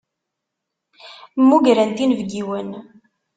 Mmugrent inebgiwen.